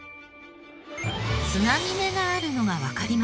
繋ぎ目があるのがわかりますか？